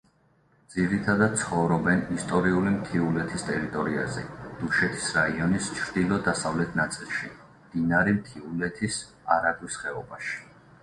ძირითადად ცხოვრობენ ისტორიული მთიულეთის ტერიტორიაზე, დუშეთის რაიონის ჩრდილო-დასავლეთ ნაწილში, მდინარე მთიულეთის არაგვის ხეობაში.